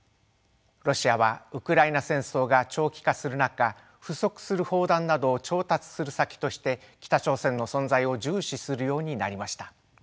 ロシアはウクライナ戦争が長期化する中不足する砲弾などを調達する先として北朝鮮の存在を重視するようになりました。